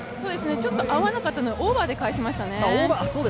ちょっと合わなかったのをオーバーで返しましたね。